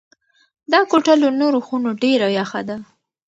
دا کوټه له نورو خونو ډېره یخه ده.